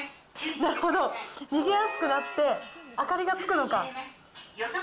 なるほど、逃げやすくなって、明かりがつくのか。